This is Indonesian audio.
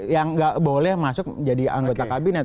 yang nggak boleh masuk jadi anggota kabinet